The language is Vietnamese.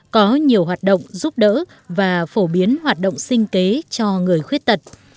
có nhiều hoạt động giúp đỡ và phổ biến hoạt động sinh kế cho người khuyết tật